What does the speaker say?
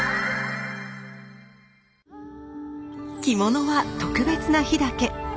着物は特別な日だけ。